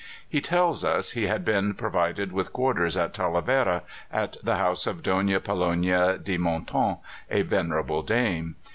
He tells us he had been provided with quarters in Talavera, at the house of Donna Pollonia di Monton, a venerable dame.